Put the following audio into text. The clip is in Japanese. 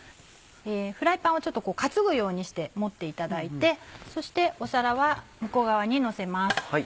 フライパンを担ぐようにして持っていただいてそして皿は向こう側にのせます。